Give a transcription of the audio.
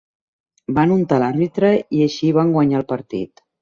Van untar l'àrbitre i així van guanyar el partit.